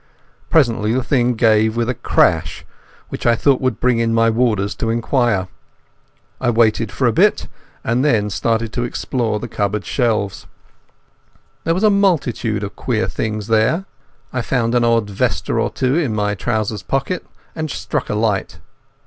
Presently the thing gave with a crash which I thought would bring in my warders to inquire. I waited for a bit, and then started to explore the cupboard shelves. There was a multitude of queer things there. I found an odd vesta or two in my trouser pockets and struck a light.